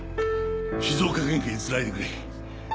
静岡県警に繋いでくれ。